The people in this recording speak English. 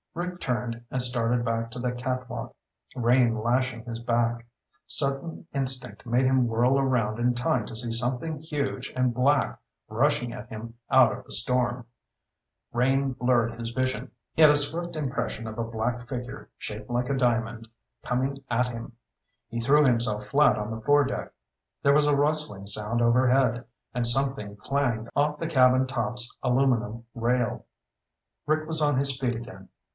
Rick turned and started back to the catwalk, rain lashing his back. Sudden instinct made him whirl around in time to see something huge and black rushing at him out of the storm. Rain blurred his vision. He had a swift impression of a black figure, shaped like a diamond, coming at him. He threw himself flat on the foredeck. There was a rustling sound overhead, and something clanged off the cabin top's aluminum rail. Rick was on his feet again.